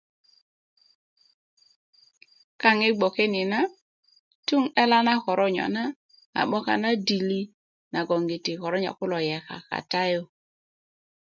kaŋ i bgwöke ni na tung 'dela na koronyo' na a 'boka na dili nagon koronyo' kulo yeka kata yu